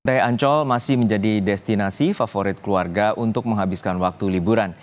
pantai ancol masih menjadi destinasi favorit keluarga untuk menghabiskan waktu liburan